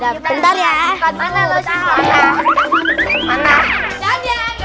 jangan ya gak bakal aku bagi